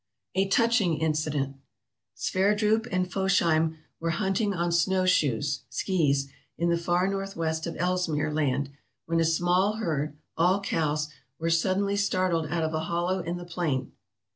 A Touching Incident Sverdrup and Fosheim were hunting on snow shoes (skis) in the far northwest of Ellesmere Land, when a small herd — all cows — were suddenly startled out of a hollow in the plain.